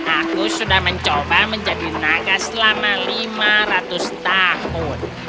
aku sudah mencoba menjadi naga selama lima ratus tahun